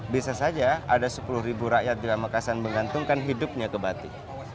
bisa saja ada sepuluh ribu rakyat di pamekasan menggantungkan hidupnya ke batik